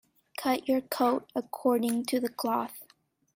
Cut your coat according to the cloth.